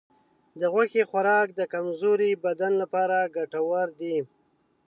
د غوښې خوراک د کمزورې بدن لپاره ګټور دی.